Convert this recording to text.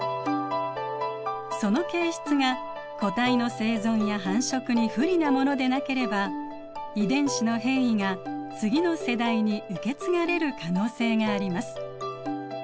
その形質が個体の生存や繁殖に不利なものでなければ遺伝子の変異が次の世代に受け継がれる可能性があります。